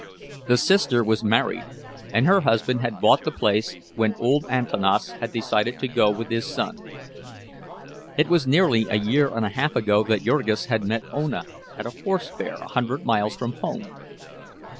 The sister was married, and her husband had bought the place when old Antanas had decided to go with his son. It was nearly a year and a half ago that Jurgis had met Ona, at a horse fair a hundred miles from home.